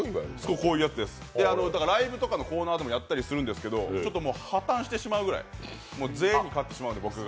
ライブとかのコーナーでもやったりするんですけど、破綻してしまうくらい、全員に勝ってしまう。